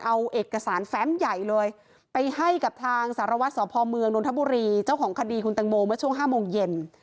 เอาเอกสารแฟ้มใหญ่เลยไปให้กับทางสารวัตรสพเมืองนทบุรีเจ้าของคดีคุณตังโมเมื่อช่วง๕โมงเย็น